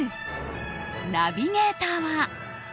ナビゲーターは。